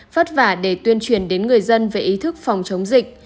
vất vả để tuyên truyền đến người dân về ý thức phòng chống dịch